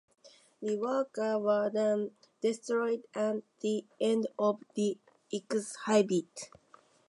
The works were then destroyed at the end of the exhibit.